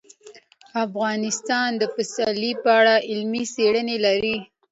افغانستان د پسرلی په اړه علمي څېړنې لري.